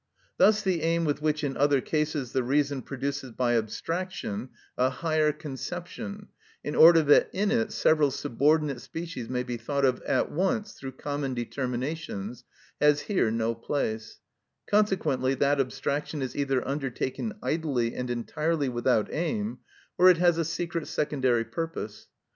Thus the aim with which in other cases the reason produces by abstraction a higher conception, in order that in it several subordinate species may be thought at once through common determinations, has here no place; consequently that abstraction is either undertaken idly and entirely without aim, or it has a secret secondary purpose.